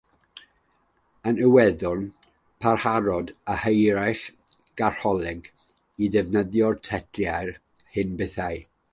Yn Iwerddon, parhaodd yr hierarchaeth Gatholig i ddefnyddio teitlau'r hen bethau.